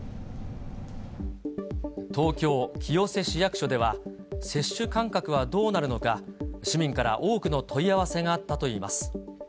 東京・清瀬市役所では、接種間隔はどうなるのか、市民から多くの問い合わせがあったといいます。